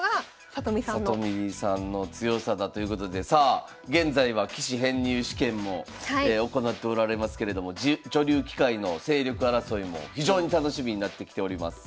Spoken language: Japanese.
里見さんの強さだということでさあ現在は棋士編入試験も行っておられますけれども女流棋界の勢力争いも非常に楽しみになってきております。